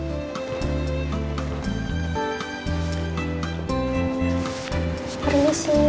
kok kamu di sini